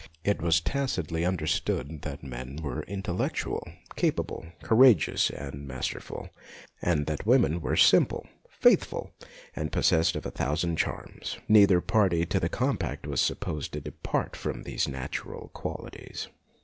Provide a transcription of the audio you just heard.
It was tacitly under stood that men were intellectual, capable, courageous, and masterful, and that women were simple, faithful, and possessed of a thousand charms. Neither party to the com pact was supposed to depart from these natural qualities.